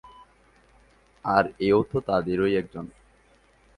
আর এও তো তাদেরই একজন।